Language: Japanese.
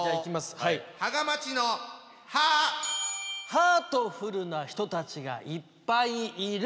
ハートフルな人たちがいっぱいいる。